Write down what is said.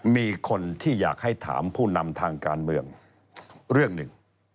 มีคนที่อยากให้ถามผู้นำทางการเมืองเรื่องหนึ่ง